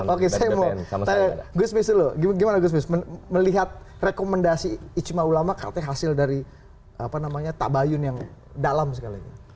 oke saya mau tanya gus bistro gimana gus bistro melihat rekomendasi icma ulama katanya hasil dari apa namanya tabayun yang dalam sekali